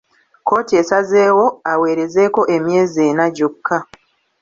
Kkooti esazeewo aweerezeeko emyezi ena gyokka.